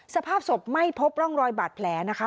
สภาพศพไม่พบร่องรอยบาดแผลนะคะ